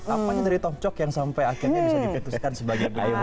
apanya dari tom cok yang sampai akhirnya bisa dipetuskan sebagai benyamin